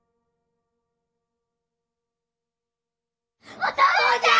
お父ちゃん！